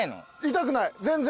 痛くない全然。